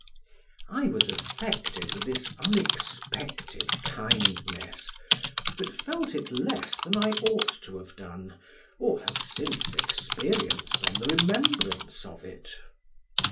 I was affected with this unexpected kindness, but felt it less than I ought to have done, or have since experienced on the remembrance of it.